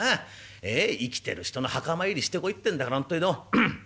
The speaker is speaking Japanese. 生きてる人の墓参りしてこいってんだから本当に。